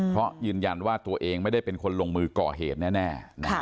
เพราะยืนยันว่าตัวเองไม่ได้เป็นคนลงมือก่อเหตุแน่